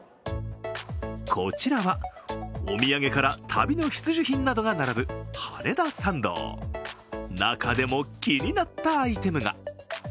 こちらは、お土産から旅の必需品などが並ぶ羽田参道、中でも気になったアイテムが。